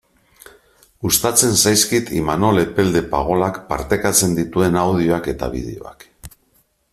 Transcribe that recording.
Gustatzen zaizkit Imanol Epelde Pagolak partekatzen dituen audioak eta bideoak.